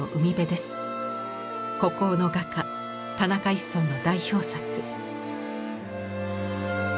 孤高の画家田中一村の代表作。